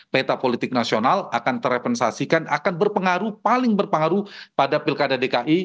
peta politik nasional akan terrepensasikan akan berpengaruh paling berpengaruh pada pilkada dki